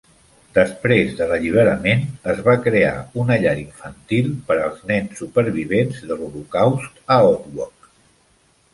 Després de l"alliberament, es va crear una llar infantil per als nens supervivents de l"holocaust a Otwock.